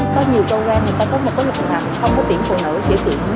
có nhiều câu gà người ta có một câu gà không có tiếng của nó chỉ có tiếng nang dớ